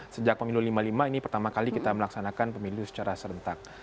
sejak pemilu lima puluh lima ini pertama kali kita melaksanakan pemilu secara serentak